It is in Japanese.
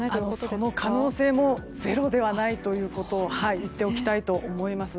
その可能性もゼロではないということを言っておきたいと思います。